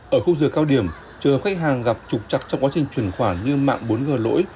ở khu dừa cao điểm chờ khách hàng gặp trục trặc trong quá trình chuyển khoản như mạng bốn g lỗi